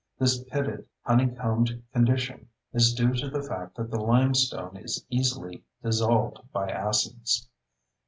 This pitted, honeycombed condition is due to the fact that the limestone is easily dissolved by acids.